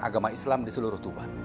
agama islam di seluruh tuban